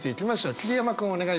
桐山君お願いします。